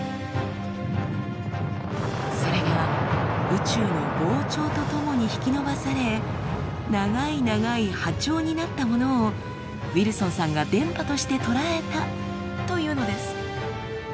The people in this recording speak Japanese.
それが宇宙の膨張とともに引き伸ばされ長い長い波長になったものをウィルソンさんが電波として捉えたというのです。